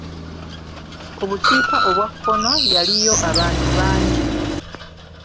Ku bukiika obwa kkono yaliyo abantu bangi.